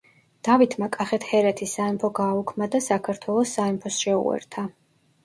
დავითმა კახეთ-ჰერეთის სამეფო გააუქმა და საქართველოს სამეფოს შეუერთა.